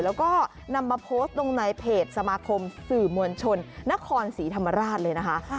แล้วก็นำมาโพสต์ลงในเพจสมาคมสื่อมวลชนนครศรีธรรมราชเลยนะคะ